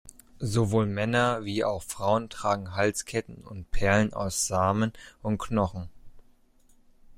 Sowohl Männer wie auch Frauen tragen Halsketten und Perlen aus Samen und Knochen.